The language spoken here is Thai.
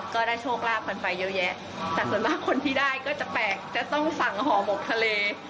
ก็ได้โชคลาภกันไปเยอะแยะแต่ส่วนมากคนที่ได้ก็จะแปลกจะต้องสั่งห่อหมกทะเล